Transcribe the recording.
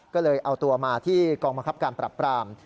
ก็เลยเอาตัวมาที่กองบังคับการปรับปราม